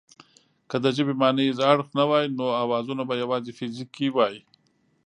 که د ژبې مانیز اړخ نه وای نو اوازونه به یواځې فزیکي وای